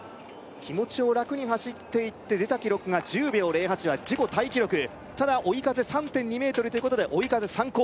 気持ちを楽に走っていって出た記録が１０秒０８は自己タイ記録ただ追い風３．２ｍということで追い風参考